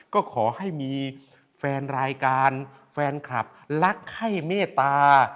ก็ขอให้มีแฟนรายการแฟนคลับรักไข้เมตตา